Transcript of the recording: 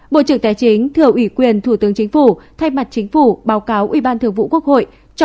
bộ trưởng tài chính thừa ủy quyền thủ tướng chính phủ thay mặt chính phủ báo cáo ubthqh